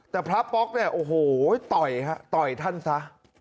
แต่พระป๊อกเนี่ยโอ้โหต่อยฮะต่อยท่านซะ